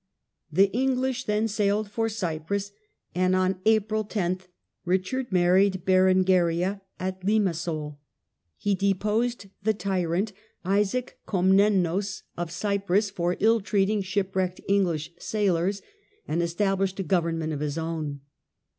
The Eng lish then sailed for Cyprus, and on April 10 Richard mar ried Berengaria at Limasol. He deposed the tyrant Isaac Komnenos of Cyprus for ill treating shipwrecked English sailors, and established a government of his own.